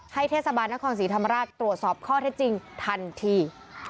เทศบาลนครศรีธรรมราชตรวจสอบข้อเท็จจริงทันที